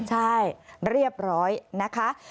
ใช่เรียบร้อยนะคะ